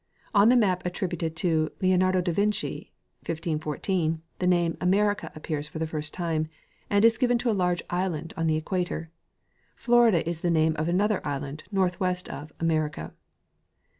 On the map attributed to Leonardo da Vinci, 1514, the name "America " appears for the first time, and is given to a large island on the equator. Florida is the name of another island northwest of "America."